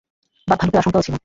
বাঘ-ভাল্লুকের আশঙ্কাও ছিল।